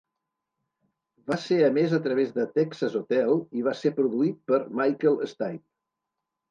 Va ser emès a través de Texas Hotel i va ser produït per Michael Stipe.